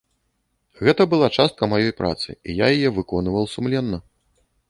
Гэта была частка маёй працы, я яе выконваў сумленна.